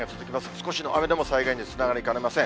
少しの雨でも災害につながりかねません。